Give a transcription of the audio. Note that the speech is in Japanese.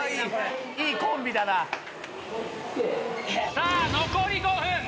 さあ残り５分。